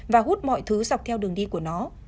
và hút mọi thứ dọc theo đường đi của nó